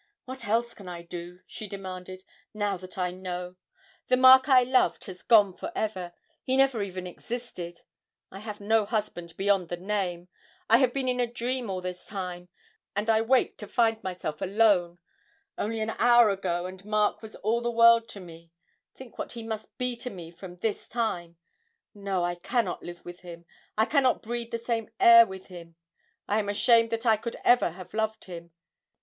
'What else can I do,' she demanded, 'now that I know? The Mark I loved has gone for ever he never even existed! I have no husband beyond the name. I have been in a dream all this time, and I wake to find myself alone! Only an hour ago and Mark was all the world to me think what he must be to me from this time! No, I cannot live with him. I could not breathe the same air with him. I am ashamed that I could ever have loved him.